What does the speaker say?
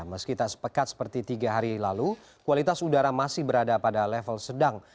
meski tak sepekat seperti tiga hari lalu kualitas udara masih berada pada level sedang